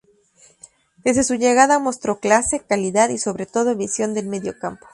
Desde su llegada mostró clase, calidad y sobre todo visión del medio campo.